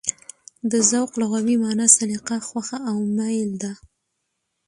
د ذوق لغوي مانا: سلیقه، خوښه او مېل ده.